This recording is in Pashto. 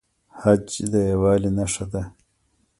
حج د یووالي نښه ده